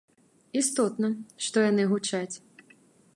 Істотна, што яны гучаць.